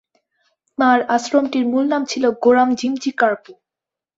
তাঁর আশ্রমটির মূল নাম ছিল গোরাম জিমচি কার্পো।